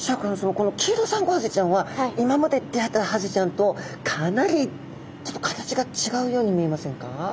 このキイロサンゴハゼちゃんは今まで出会ったハゼちゃんとかなりちょっと形が違うように見えませんか？